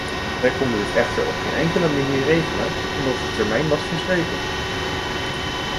Wij konden dit echter op geen enkele manier regelen omdat de termijn was verstreken.